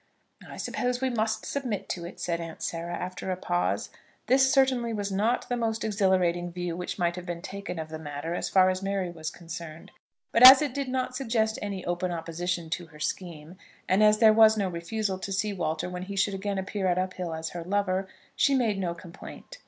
"I suppose we must submit to it," said Aunt Sarah, after a pause. This certainly was not the most exhilarating view which might have been taken of the matter as far as Mary was concerned; but as it did not suggest any open opposition to her scheme, and as there was no refusal to see Walter when he should again appear at Uphill as her lover, she made no complaint.